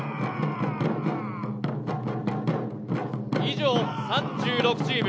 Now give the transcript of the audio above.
以上３６チーム。